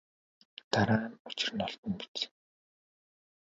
Дараа нь учир нь олдоно биз.